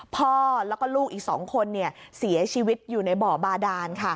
พ่อแล้วก็ลูกอีก๒คนเสียชีวิตอยู่ในบ่อบาดาน